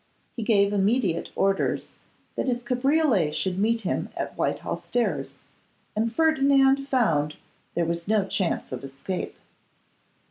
He gave immediate orders that his cabriolet should meet him at Whitehall Stairs, and Ferdinand found there was no chance of escape.